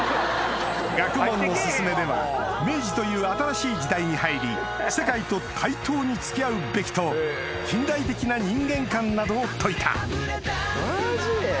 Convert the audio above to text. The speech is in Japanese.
『学問のすゝめ』では明治という新しい時代に入り世界と対等に付き合うべきと近代的な人間観などを説いたマジ？